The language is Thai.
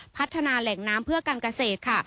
พัฒนาแหล่งน้ำเพื่อการเกษตรค่ะ